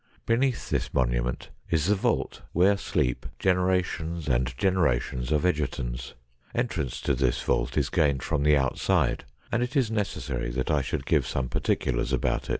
Beneath this monument is the vault, where sleep generations and generations of Egertons. Entrance to this vault is gained from the outside, and it is necessary that I should give some particulars about it.